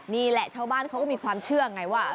นี่แหละชาวบ้านเขาก็มีความเชื่อไงว่า